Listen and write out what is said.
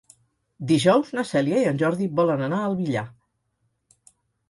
Dijous na Cèlia i en Jordi volen anar al Villar.